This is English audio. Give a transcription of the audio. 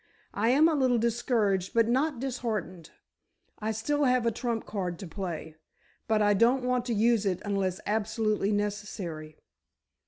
I am a little discouraged but not disheartened. I still have a trump card to play, but I don't want to use it unless absolutely necessary."